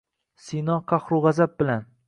Sino qahru gʼazab bilan